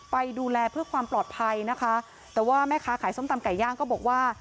ไปดูแลเพื่อความปลอดภัยนะคะแต่ว่าแม่ค้าขายส้มตำไก่ย่างก็บอกว่า